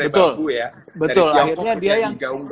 dari tiongkok ke geyang gaung gaung